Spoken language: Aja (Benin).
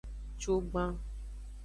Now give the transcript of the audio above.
Cugban.